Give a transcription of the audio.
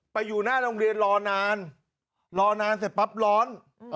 อยู่หน้าโรงเรียนรอนานรอนานเสร็จปั๊บร้อน